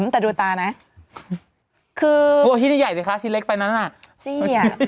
แต่ดูตานะคือพวกชิ้นใหญ่เลยค่ะชิ้นเล็กไปนั่นอ่ะจี้อ่ะเธอเนี้ยน่ะ